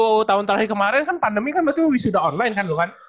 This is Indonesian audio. tau tahun terakhir kemarin kan pandemi kan berarti lu sudah online kan lu kan